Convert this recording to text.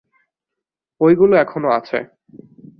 ওইগুলো এখনও আছে।